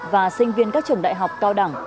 và sinh viên các trường đại học cao đẳng